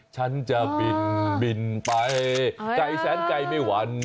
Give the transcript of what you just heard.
ฉันจะบินไปใจแสนไกลไม่หวั่น